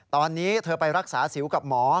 ตอนนี้เธอไปรักษาสิวกับหมอ